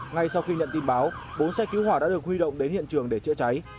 ngay sau khi nhận tin báo bốn xe cứu hỏa đã được huy động đến hiện trường để chữa cháy